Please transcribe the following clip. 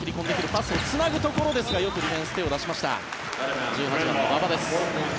パスをつないでいくところですがよくディフェンス手を出しました１８番の馬場です。